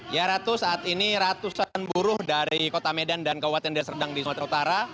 ya ratu saat ini ratusan buruh dari kota medan dan kabupaten deserdang di sumatera utara